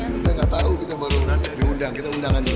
kita gak tau kita baru diundang kita undang aja nanti ya